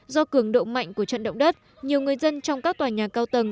do cường độ mạnh của trận động đất nhiều người dân trong các tòa nhà cao tầng